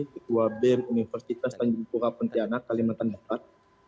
ketua bem universitas tanjung pura pontianak kalimantan barat